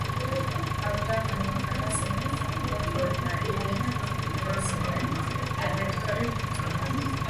Hautagai bakarra zenez, botoen herena lortu behar zuen errektore bihurtzeko.